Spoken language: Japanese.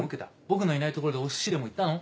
僕のいないところでお寿司でも行ったの？